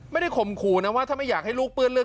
ข่มขู่นะว่าถ้าไม่อยากให้ลูกเปื้อนเลือด